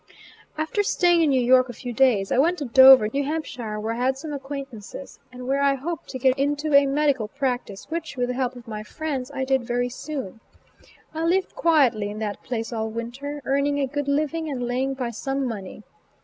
After staying in New York a few days, I went to Dover, N.H., where I had some acquaintances, and where I hoped to get into a medical practice, which, with the help of my friends, I did very soon. I lived quietly in that place all winter, earning a good living and laying by some money.